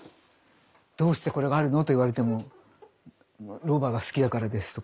どうしてこれがあるのと言われてもロバが好きだからですとか。